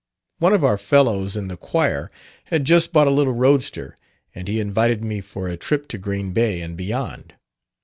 One of our fellows in the choir had just bought a little roadster, and he invited me for a trip to Green Bay and beyond.